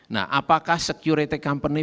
nah apakah security company